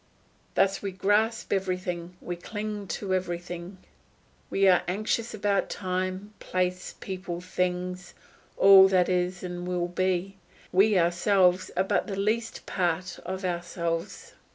Thus we grasp everything, we cling to everything; we are anxious about time, place, people, things, all that is and will be; we ourselves are but the least part of ourselves.